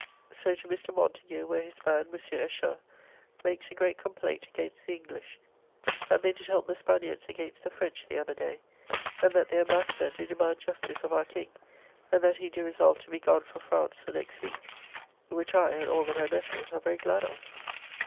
So to Mr. Montagu, where his man, Mons. Eschar, makes a great com plaint against the English, that they did help the Spaniards against the French the other day; and that their Embassador do demand justice of our King, and that he do resolve to be gone for France the next week; which I, and all that I met with, are very glad of.